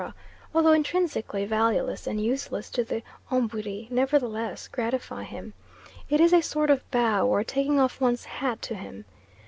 although intrinsically valueless and useless to the Ombwiri nevertheless gratify him. It is a sort of bow or taking off one's hat to him.